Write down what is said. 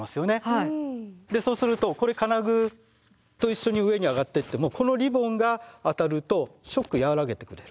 でそうするとこれ金具と一緒に上に上がってってもこのリボンが当たるとショック和らげてくれる。